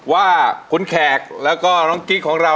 ว่าคุณแขกแล้วก็น้องคิ๊ก